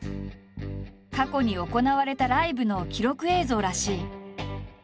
過去に行われたライブの記録映像らしい。